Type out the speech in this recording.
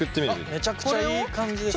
めちゃくちゃいい感じですね。